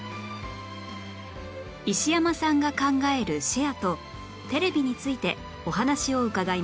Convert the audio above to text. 石山さんが考えるシェアとテレビについてお話を伺います